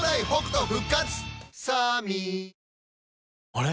あれ？